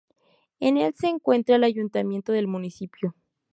En el se encuentra el ayuntamiento del municipio.